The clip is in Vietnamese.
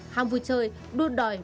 ham vui chơi đu đòi